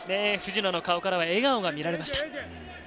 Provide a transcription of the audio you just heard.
藤野の顔からは笑顔が見られました。